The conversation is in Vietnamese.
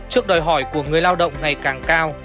trước đòi hỏi của người lao động ngày càng cao